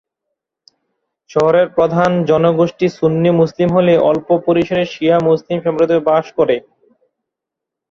শহরের প্রধান জনগোষ্ঠী সুন্নি মুসলিম হলে অল্প পরিসরে শিয়া মুসলিম সম্প্রদায়ও বাস করে।